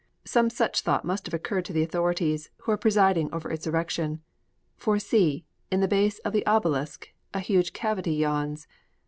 Some such thought must have occurred to the authorities who are presiding over its erection. For see, in the base of the obelisk a huge cavity yawns!